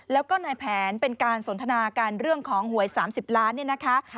แล้วก็ในแผนเป็นการสนทนาการเรื่องของหวย๓๐ล้านเนี่ยนะคะ